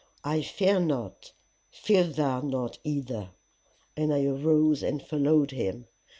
I fear not; fear thou not either. And I arose and followed him.